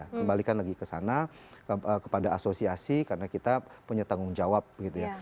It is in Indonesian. kembalikan lagi ke sana kepada asosiasi karena kita punya tanggung jawab gitu ya